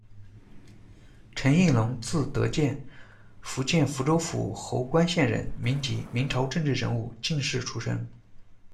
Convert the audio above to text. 陈应龙，字德见，福建福州府侯官县人，民籍，明朝政治人物、进士出身。